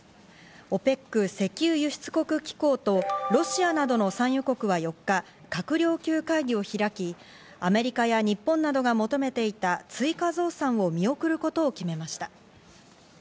ＯＰＥＣ＝石油輸出国機構とロシアなどの産油国は４日、閣僚級会議を開き、アメリカや日本などが求めていた追加増産を見送ることを決めました。